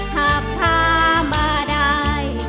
หากพามาได้